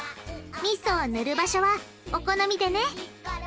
みそを塗る場所はお好みでね。